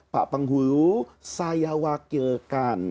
pak penggulu saya wakilkan